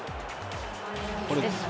これです。